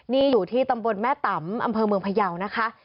นี่อยู่ที่ตำบลแม่ตำอำเภอเมืองพยาวนะคะ